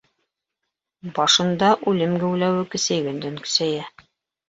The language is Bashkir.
Башында үлем геүләүе көсәйгәндән-көсәйә.